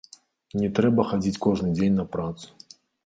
Не трэба хадзіць кожны дзень на працу.